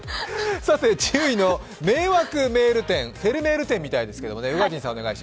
１０位の迷惑メール展、フェルメール展みたいですけどね。